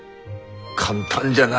簡単じゃない。